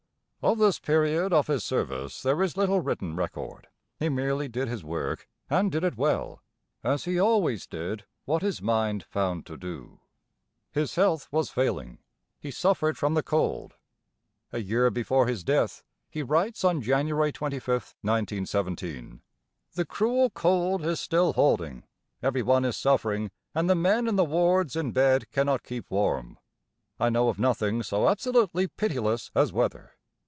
Of this period of his service there is little written record. He merely did his work, and did it well, as he always did what his mind found to do. His health was failing. He suffered from the cold. A year before his death he writes on January 25th, 1917: The cruel cold is still holding. Everyone is suffering, and the men in the wards in bed cannot keep warm. I know of nothing so absolutely pitiless as weather.